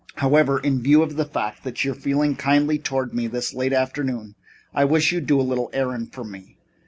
However, in view of the fact that you're feeling kindly toward me this afternoon, I wish you'd do a little errand for me.